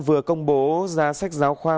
vừa công bố giá sách giáo khoa